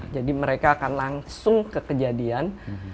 jadi mereka akan langsung ke kejadian